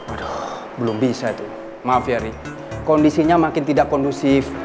aduh belum bisa itu maaf ya rik kondisinya makin tidak kondusif